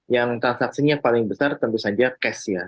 yang transaksinya paling besar tentu saja cash ya